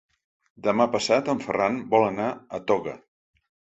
Demà passat en Ferran vol anar a Toga.